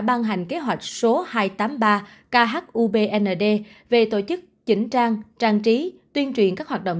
ban hành kế hoạch số hai trăm tám mươi ba khubnd về tổ chức chỉnh trang trang trí tuyên truyền các hoạt động